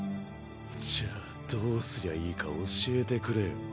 じゃあどうすりゃいいか教えてくれよ。